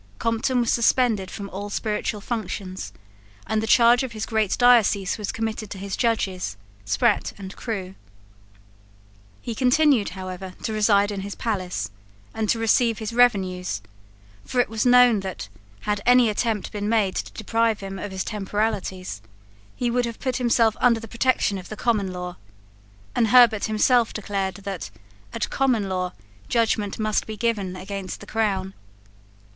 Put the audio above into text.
Compton was suspended from all spiritual functions; and the charge of his great diocese was committed to his judges, Sprat and Crewe. He continued, however, to reside in his palace and to receive his revenues; for it was known that, had any attempt been made to deprive him of his temporalities, he would have put himself under the protection of the common law; and Herbert himself declared that, at common law, judgment must be given against the crown.